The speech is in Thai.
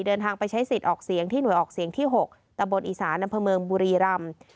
เดินทางไปใช้สิทธิ์ออกเสียงที่หน่วยออกเสียงที่๖ตะบนอีสานอำเภอเมืองบุรีรำ